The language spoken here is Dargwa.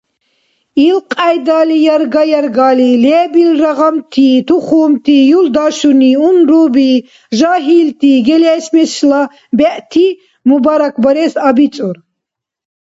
Илкьяйдали ярга-яргали, лебилра гъамти, тухумти, юлдашуни, унруби, жагьилти, гелешмешла бегӀти мубаракбарес абицӀур.